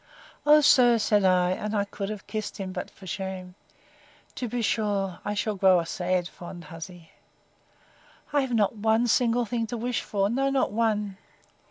O sir, said I, and I could have kissed him, but for shame, (To be sure I shall grow a sad fond hussy,) I have not one single thing to wish for; no, not one!